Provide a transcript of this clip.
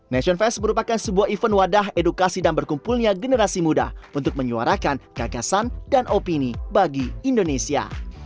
nation fest merupakan sebuah event wadah edukasi dan berkumpulnya generasi muda untuk menyuarakan gagasan dan opini bagi indonesia